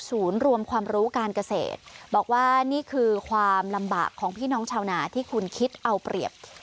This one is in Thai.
รวมความรู้การเกษตรบอกว่านี่คือความลำบากของพี่น้องชาวนาที่คุณคิดเอาเปรียบ